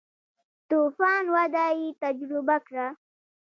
تو فان وده یې تجربه کړه.